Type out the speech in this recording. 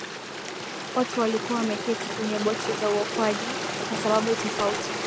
watu walikuwa wameketi kwenye boti za uokoaji kwa sababu tofauti